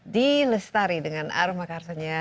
d lestari dengan aroma karsanya